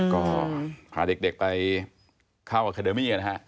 ก็พาเด็กไปข้าวอาคเดิมนี้กันฮะ